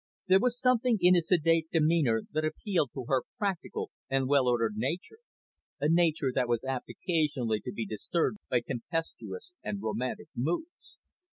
There was something in his sedate demeanour that appealed to her practical and well ordered nature a nature that was apt occasionally to be disturbed by tempestuous and romantic moods.